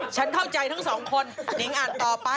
ฉันเข้าใจทั้งสองคนนิงอ่านต่อไป